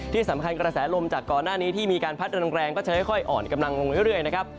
ที่สำคัญกระแสลมจากก่อนหน้านี้ที่มีการพัดแรงก็จะค่อยอ่อนกำลังลงเรื่อยนะครับ